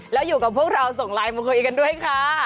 แล้วอยู่กับพวกเราส่งไลน์มาคุยกันด้วยค่ะ